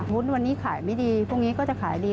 วันนี้ขายไม่ดีพรุ่งนี้ก็จะขายดี